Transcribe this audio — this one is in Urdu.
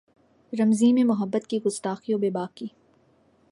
رمزیں ہیں محبت کی گستاخی و بیباکی